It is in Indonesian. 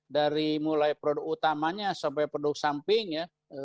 dari mulai produk utamanya sampai produk samping ya